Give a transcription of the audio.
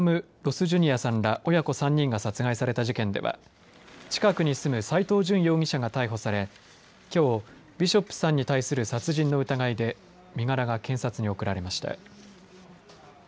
飯能市の住宅の敷地でビショップ・ウィリアム・ロス・ジュニアさんら親子３人が殺害された事件では近くに住む斎藤淳容疑者が逮捕されきょう、ビショップさんに対する殺人の疑いで身柄が検察に送られました。